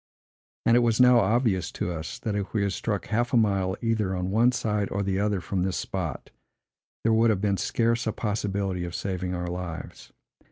And it was now obvious to us, that if we had struck half a mile, either on one side or the other from this spot, there would have been scarce a possibility of saving our lives.